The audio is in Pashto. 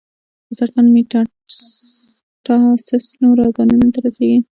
د سرطان میټاسټاسس نورو ارګانونو ته رسېږي.